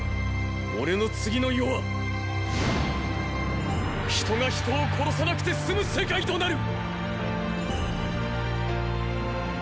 俺の次の世はーー人が人を殺さなくてすむ世界となる！！